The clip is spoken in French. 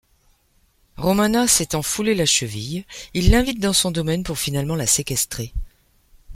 Romana s'étant foulée la cheville, il l'invite dans son domaine pour finalement la séquestrer.